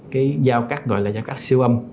cái dao cắt gọi là dao cắt siêu âm